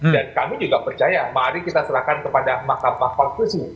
dan kami juga percaya mari kita serahkan kepada mahkamah fakultusi